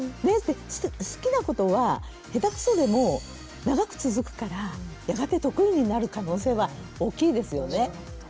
好きなことは下手くそでも長く続くからやがて得意になる可能性は大きいですよね。